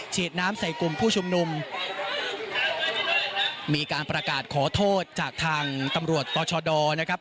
ฉีดน้ำใส่กลุ่มผู้ชุมนุมมีการประกาศขอโทษจากทางตำรวจต่อชดนะครับ